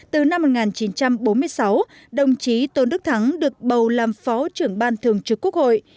từ năm một nghìn chín trăm bốn mươi sáu đồng chí tôn đức thắng được bầu làm phó trưởng ban thường trực quốc hội